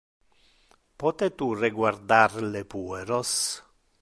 Pote tu reguardar le pueros?